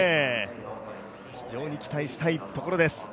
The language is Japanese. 非常に期待したいところです。